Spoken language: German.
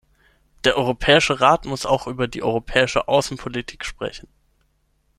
Der Europäische Rat muss auch über die europäische Außenpolitik sprechen.